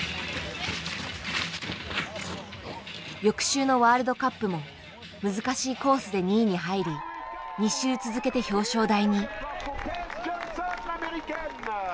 翌週のワールドカップも難しいコースで２位に入り２週続けて表彰台に。